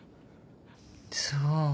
そう。